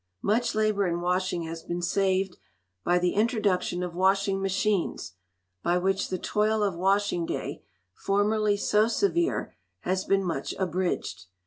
Much labour in washing has been saved by the introduction of washing machines, by which the toil of washing day, formerly so severe, has been much abridged.